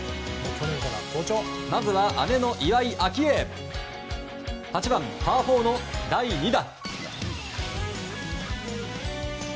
まずは、姉の岩井明愛８番、パー４の第２打。